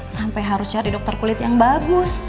sampai harus cari dokter kulit yang bagus